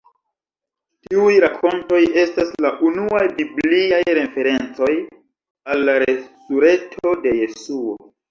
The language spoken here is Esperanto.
Tiuj rakontoj estas la unuaj bibliaj referencoj al la resurekto de Jesuo.